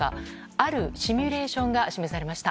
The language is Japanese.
あるシミュレーションが示されました。